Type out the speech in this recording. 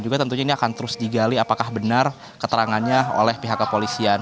jadi tentunya ini akan terus digali apakah benar keterangannya oleh pihak kepolisian